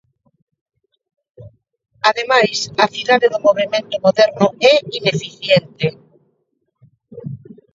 Ademais, a cidade do Movemento Moderno é ineficiente.